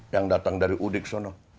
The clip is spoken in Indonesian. yang datang dari udik sono